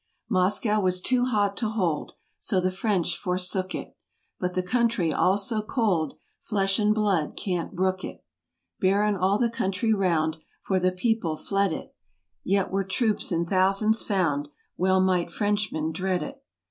Moscow was too hot to hold, So the French forsook it; But the country all so cold, Flesh and blood can't brook it. Barren all the country round, For the people fled it; Yet were troops in thousands found, Well might Frenchmen dread it.